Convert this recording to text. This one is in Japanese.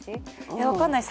いや分かんない。